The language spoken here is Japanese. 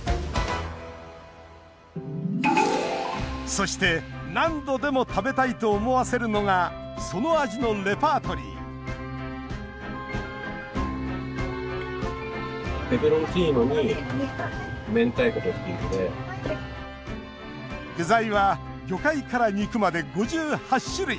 そして、何度でも食べたいと思わせるのがその味のレパートリー具材は魚介から肉まで５８種類。